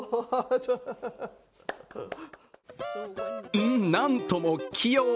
うん、なんとも器用。